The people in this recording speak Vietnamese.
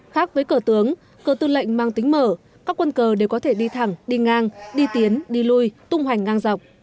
khác với cờ tướng cờ tư lệnh mang tính mở các quân cờ đều có thể đi thẳng đi ngang đi tiến đi lui tung hoành ngang dọc